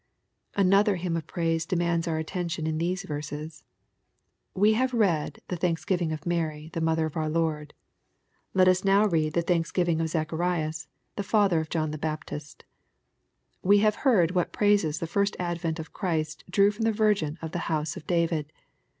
44 SXPOSITOBT THOUGHTS. Anotheb hyiDQ of praise demands our attention in these rerses. We have read the thaoksgiving of Mary^ the mother of our Lord. Let us now read the thanks givmg of Zacharias^ the father of John the Baptist. We have heard what praises the first advent of Christ drew from the Virgin of the house of David.